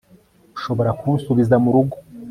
ushobora kunsubiza mu rugo